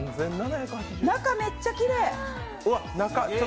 中、めっちゃきれい！